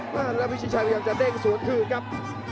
แล้วพิชชิชัยก็จะเด้งสวนคืนครับ